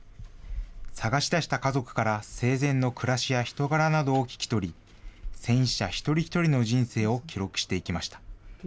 探しだした家族から暮らしや人柄などを聞き取り、戦死者一人一人の人生を記録していきました。